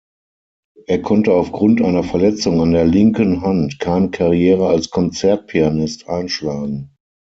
Er konnte aufgrund einer Verletzung an der linken Hand keine Karriere als Konzertpianist einschlagen.